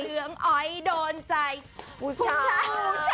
เกื้องออยดนใจผู้ชาย